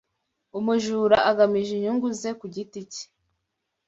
Umujura agamije inyungu ze ku giti ke